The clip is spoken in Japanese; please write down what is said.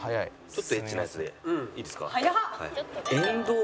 ちょっとエッチなやつでいいですか？